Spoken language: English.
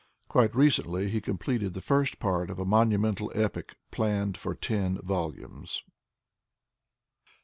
Quite recently he completed the first part of a monumental epic planned for ten volumes.